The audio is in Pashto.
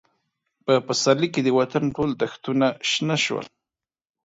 په پسرلي کې د وطن ټول دښتونه شنه شول.